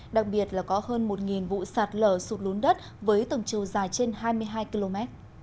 đặc biệt là có hơn một vụ sạt lở sụt lún đất với tổng chiều dài trên hai mươi hai km